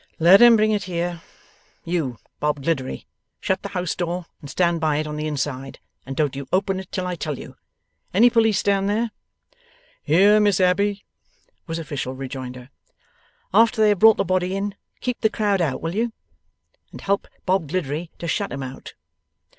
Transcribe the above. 'Let 'em bring it here. You, Bob Gliddery, shut the house door and stand by it on the inside, and don't you open till I tell you. Any police down there?' 'Here, Miss Abbey,' was official rejoinder. 'After they have brought the body in, keep the crowd out, will you? And help Bob Gliddery to shut 'em out.